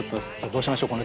どうしましょう？